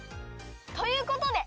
ということで